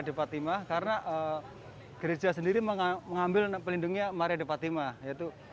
de fatimah karena gereja sendiri mengambil pelindungnya maria de fatimah yaitu